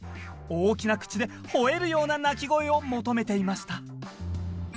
大きな口でほえるような鳴き声を求めていました。